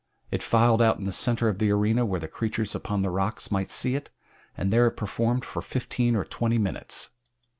It filed out in the center of the arena where the creatures upon the rocks might see it, and there it performed for fifteen or twenty minutes.